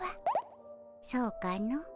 そうかの？